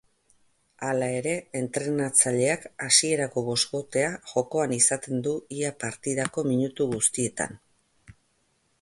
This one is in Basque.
Hala ere, entrenatzaileak hasierako boskotea jokoan izaten du ia partidako minutu guztietan.